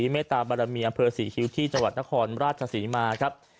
เมตตาบารมีอำเภอศรีคิ้วที่จังหวัดนครราชศรีมาครับ